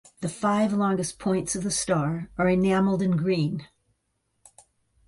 The five longest points of the star are enameled in green.